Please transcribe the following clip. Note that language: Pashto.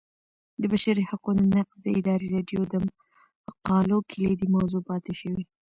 د بشري حقونو نقض د ازادي راډیو د مقالو کلیدي موضوع پاتې شوی.